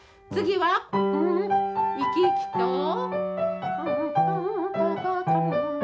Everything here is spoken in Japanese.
次は生き生きと。